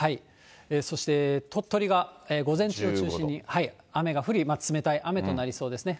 そして鳥取が午前中を中心に雨が降り、冷たい雨となりそうですね。